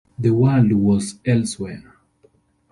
The world was elsewhere.